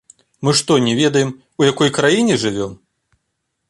Мы што не ведаем, у якой краіне жывём?